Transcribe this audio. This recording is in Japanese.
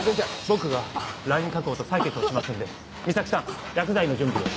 僕がライン確保と採血をしますので三崎さん薬剤の準備を。